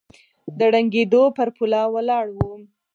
د ړنګېدو پر پوله ولاړ و